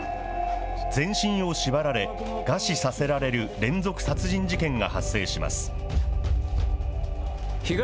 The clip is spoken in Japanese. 全身を縛られ、餓死させられる連続殺人事件が発生します。